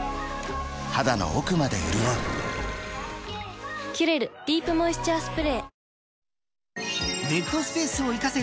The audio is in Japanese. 肌の奥まで潤う「キュレルディープモイスチャースプレー」